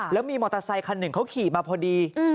แล้วมีมอเตอร์ไซคันหนึ่งเขาขี่มาพอดี